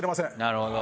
なるほど。